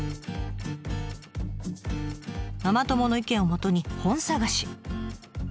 ママ友の意見をもとに本探し。